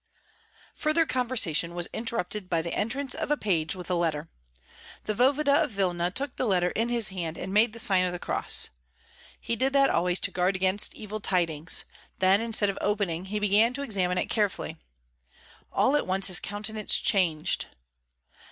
Further conversation was interrupted by the entrance of a page with a letter. The voevoda of Vilna took the letter in his hand and made the sign of the cross. He did that always to guard against evil tidings; then, instead of opening, he began to examine it carefully. All at once his countenance changed.